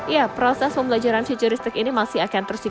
ya proses pembelajaran futuristik ini masih akan tersedia